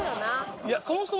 いやそもそも。